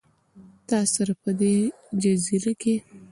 تا سره، په دې جزیره کې